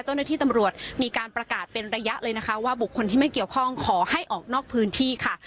เจ้าหน้าที่ตำรวจมีการประกาศเป็นระยะเลยนะคะว่าบุคคลที่ไม่เกี่ยวข้องขอให้ออกนอกพื้นที่ค่ะ